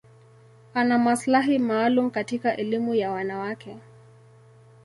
Ana maslahi maalum katika elimu ya wanawake.